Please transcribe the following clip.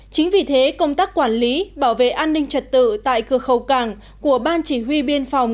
chính vì thế công tác quản lý bảo vệ an ninh trật tự tại cửa khẩu càng của ban chỉ huy biên phòng